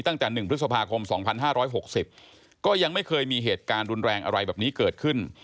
ตั้งแต่๑พฤษภาคม๒๕๖๐ก็ยังไม่เคยมีเหตุการณ์รุนแรงอะไรแบบนี้เกิดขึ้น